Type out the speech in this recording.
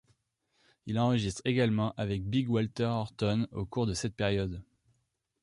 Il enregistre également avec Big Walter Horton au cours de cette période.